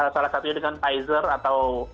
salah satunya dengan pfizer atau